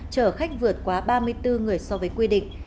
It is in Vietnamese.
chở khách vượt quá ba mươi bốn người so với quy định